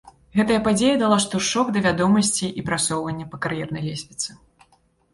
Гэта падзея дала штуршок да вядомасці і прасоўванні па кар'ернай лесвіцы.